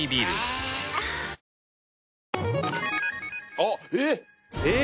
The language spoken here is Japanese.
あっえっ！？